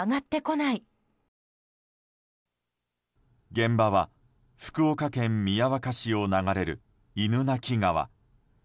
現場は、福岡県宮若市を流れる犬鳴川。